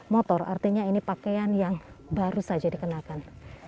motor artinya ini pakaian yang baru saja dikenakan